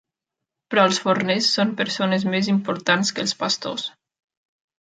Però els forners són persones més importants que els pastors.